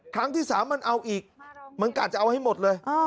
ครั้งที่๓มันเอาอีกมันกะจะเอาให้หมดเลย